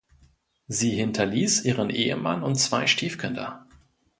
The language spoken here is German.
Sie hinterließ ihren Ehemann und zwei Stiefkinder.